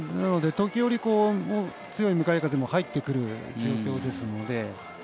時折、強い向かい風も入ってくる状況ですので。